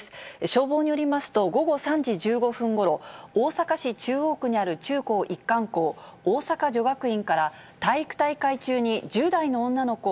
消防によりますと、午後３時１５分ごろ、大阪市中央区にある中高一貫校、大阪女学院から、体育大会中に、１０代の女の子